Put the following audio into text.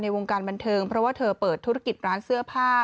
วงการบันเทิงเพราะว่าเธอเปิดธุรกิจร้านเสื้อผ้า